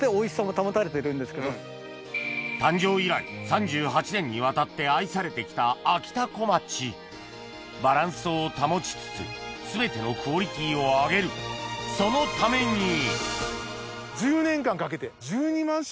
誕生以来３８年にわたって愛されて来たあきたこまちバランスを保ちつつ全てのクオリティーを上げるそのためにらしいですよ。